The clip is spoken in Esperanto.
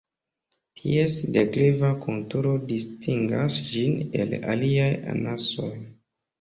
Ties dekliva konturo distingas ĝin el aliaj anasoj.